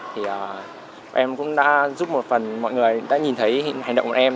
thì bọn em cũng đã giúp một phần mọi người đã nhìn thấy hành động của em